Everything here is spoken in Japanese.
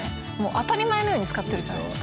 当たり前のように使ってるじゃないですか。